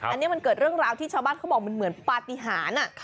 อันนี้มันเกิดเรื่องราวที่ชาวบ้านเขาบอกมันเหมือนปฏิหาร